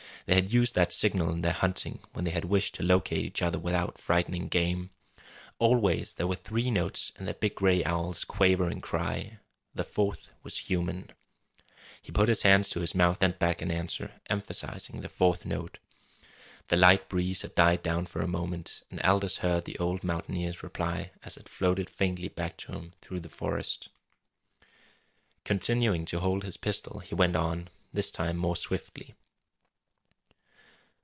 They had used that signal in their hunting, when they had wished to locate each other without frightening game. Always there were three notes in the big gray owl's quavering cry. The fourth was human. He put his hands to his mouth and sent back an answer, emphasizing the fourth note. The light breeze had died down for a moment, and Aldous heard the old mountaineer's reply as it floated faintly back to him through the forest. Continuing to hold his pistol, he went on, this time more swiftly.